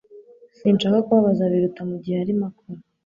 Sinshaka kubabaza Biruta mugihe arimo akora